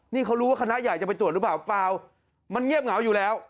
นี่เขารู้ว่าคณะใหญ่จะไปตรวจหรือเปล่าเปล่ามันเงียบเหงาอยู่แล้ว